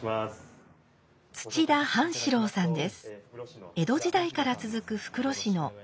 土田半四郎さんです。